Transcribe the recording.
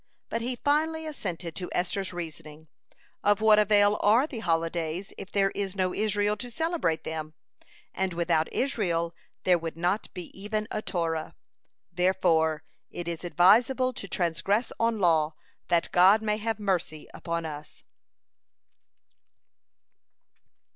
But he finally assented to Esther's reasoning: "Of what avail are the holidays, if there is no Israel to celebrate them, and without Israel, there would not be even a Torah. Therefore it is advisable to transgress on law, that God may have mercy upon us."